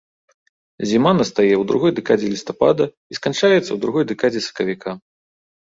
Зіма настае ў другой дэкадзе лістапада і сканчаецца ў другой дэкадзе сакавіка.